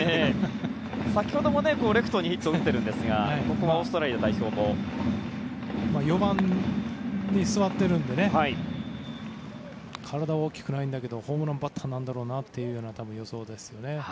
先ほどもレフトにヒットを打っているんですが４番に座っているので体は大きくないんだけどホームランバッターなんだろうなという予想ですよね。